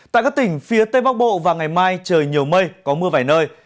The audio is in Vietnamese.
tại các tỉnh phía tây bắc bộ và ngày mai trời nhiều mây có mưa vài nơi